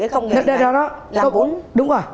cái công nghệ này